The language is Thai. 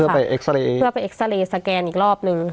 เพื่อไปเอ็กซาเรย์สแกนอีกรอบนึง